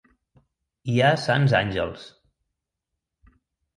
Hi ha sants àngels.